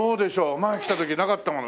前来た時なかったもの。